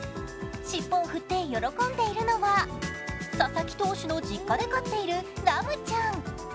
尻尾を振って喜んでいるのは佐々木投手の実家で飼っているラムちゃん。